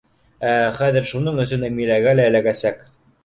Ә хәҙер шуның өсөн Әмиләгә лә эләгәсәк.